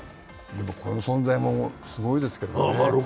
この存在もすごいですけどね。